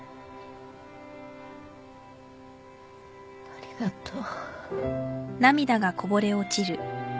ありがとう。